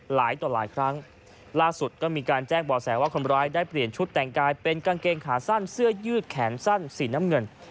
หลายต่อหลายครั้งล่าสุดก็มีการแจ้งบ่อแสว่าคนร้ายได้เปลี่ยนชุดแต่งกายเป็นกางเกงขาสั้นเสื้อยืดแขนสั้นสีน้ำเงิน